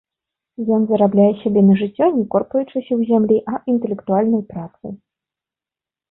Ён зарабляе сабе на жыццё не корпаючыся ў зямлі, а інтэлектуальнай працай.